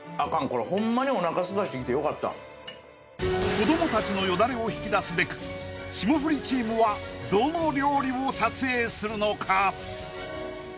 これホンマにおなかすかしてきてよかった子供達のよだれを引き出すべく霜降りチームはどの料理を撮影するのか？